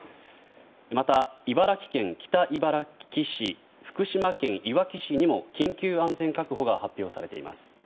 また、茨城県北茨城市福島県いわき市にも緊急安全確保が発表されています。